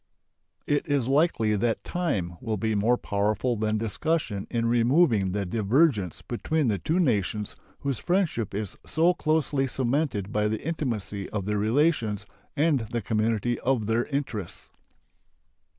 It is likely that time will be more powerful than discussion in removing the divergence between the two nations whose friendship is so closely cemented by the intimacy of their relations and the community of their interests.